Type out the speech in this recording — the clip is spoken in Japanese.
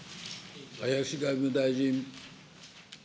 林外務大臣。